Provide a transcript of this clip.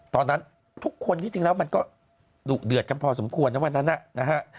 ตอนนั้นทุกคนที่จริงแล้วมันก็ดุเดือดกันพอสมควรนะวันนั้นนะฮะ